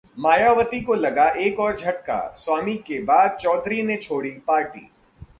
मायावती को लगा एक और झटका, स्वामी के बाद चौधरी ने छोड़ी पार्टी